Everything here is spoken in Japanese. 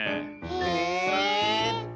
へえ。